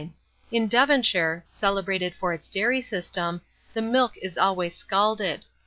In Devonshire, celebrated for its dairy system, the milk is always scalded.